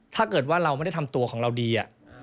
ถ้าเกิดว่าเราไม่ได้ทำตัวของเราดี